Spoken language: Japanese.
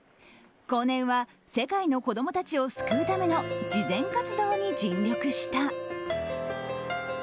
後年は、世界の子供たちを救うための慈善活動に尽力した。